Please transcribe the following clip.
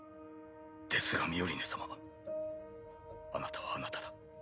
ですがミオリネ様あなたはあなただ。